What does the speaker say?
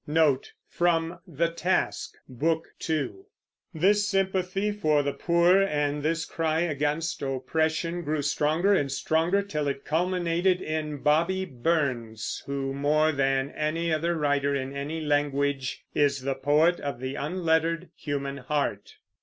This sympathy for the poor, and this cry against oppression, grew stronger and stronger till it culminated in "Bobby" Burns, who, more than any other writer in any language, is the poet of the unlettered human heart.